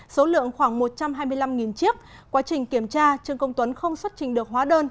số lượng khoảng một trăm hai mươi năm chiếc quá trình kiểm tra trương công tuấn không xuất trình được hóa đơn